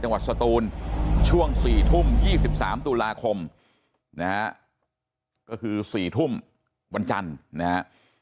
สตูนช่วง๔ทุ่ม๒๓ตุลาคมนะฮะก็คือ๔ทุ่มวันจันทร์นะฮะ